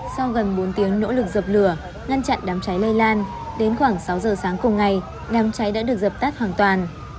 sau gần bốn tiếng nỗ lực dập lửa ngăn chặn đám cháy lây lan đến khoảng sáu giờ sáng cùng ngày đám cháy đã được dập tắt hoàn toàn